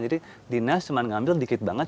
jadi dinas cuma ngambil sedikit banget